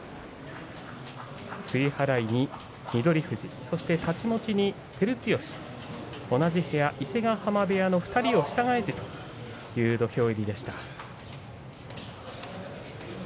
露払いに翠富士そして太刀持ちに照強同じ部屋の伊勢ヶ濱部屋の２人を従えてという土俵入りでした。